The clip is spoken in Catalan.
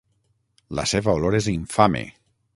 La seva olor és infame.